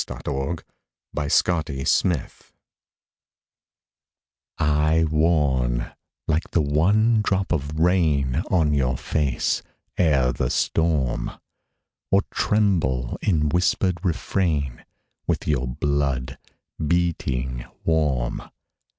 THE VOICE OF THE VOID I warn, like the one drop of rain On your face, ere the storm; Or tremble in whispered refrain With your blood, beating warm.